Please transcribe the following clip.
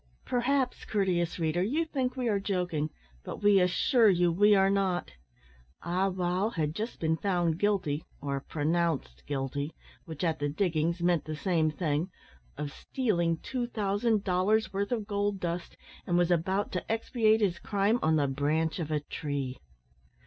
Perhaps, courteous reader, you think we are joking, but we assure you we are not. Ah wow had just been found guilty, or pronounced guilty which, at the diggings, meant the same thing of stealing two thousand dollars' worth of gold dust, and was about to expiate his crime on the branch of a tree.